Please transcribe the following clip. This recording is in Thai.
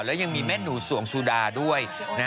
แล้วยังมีแม่หนูสวงสุดาด้วย